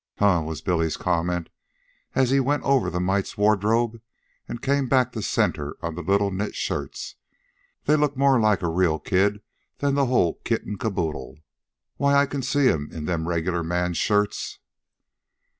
"Huh," was Billy's comment, as he went over the mite's wardrobe and came back to center on the little knit shirts, "they look more like a real kid than the whole kit an' caboodle. Why, I can see him in them regular manshirts."